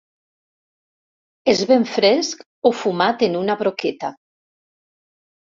Es ven fresc o fumat en una broqueta.